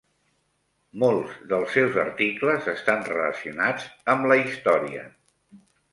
Molts dels seus articles estan relacionats amb la història.